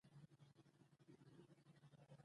ـ که ګور ګران وي د مړي ورته نه کام وي.